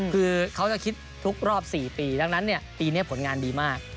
คือเขาจะคิดทุกรอบ๔ปีดังนั้นปีนี้ผลงานดีมาก